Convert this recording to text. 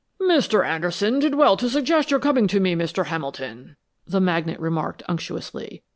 "Mr. Anderson did well to suggest your coming to me, Mr. Hamilton," the magnate remarked unctuously.